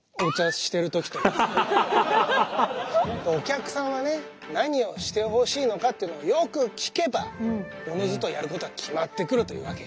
お客さんはね何をしてほしいのかっていうのをよく聞けばおのずとやることは決まってくるというわけ。